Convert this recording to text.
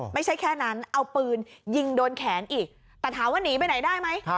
ไม่ใช่แค่นั้นเอาปืนยิงโดนแขนอีกแต่ถามว่าหนีไปไหนได้ไหม